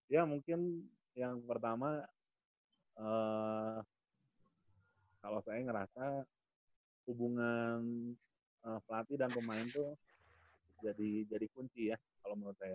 ya mungkin yang pertama kalau saya ngerasa hubungan pelatih dan pemain tuh jadi kunci ya kalau menurut saya